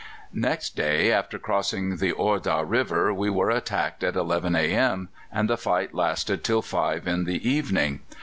"Next day, after crossing the Ordah River, we were attacked at eleven a.m., and the fight lasted till five in the evening.